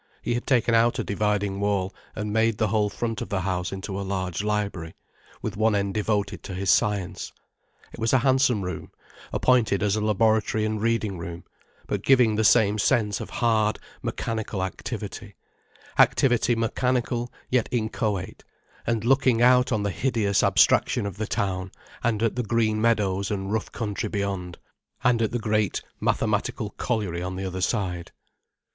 He had taken out a dividing wall, and made the whole front of the house into a large library, with one end devoted to his science. It was a handsome room, appointed as a laboratory and reading room, but giving the same sense of hard, mechanical activity, activity mechanical yet inchoate, and looking out on the hideous abstraction of the town, and at the green meadows and rough country beyond, and at the great, mathematical colliery on the other side.